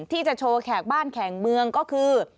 ที่จะโชว์แขกบ้านแขกเมืองก็คือ